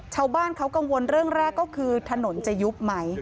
ชาวบ้านเขากังวลเรื่องแรกก็คือถนนจะยุบไหม